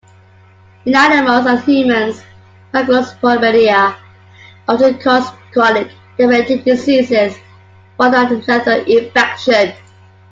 In animals and humans, microsporidia often cause chronic, debilitating diseases rather than lethal infections.